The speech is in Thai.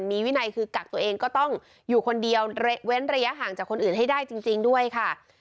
มีวินัยคือกักตัวเองก็ต้องอยู่คนเดียวเว้นระยะห่างจากคนอื่นให้ได้จริงด้วยค่ะ